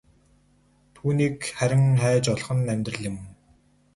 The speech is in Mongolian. Түүнийг харин хайж олох нь амьдрал юм.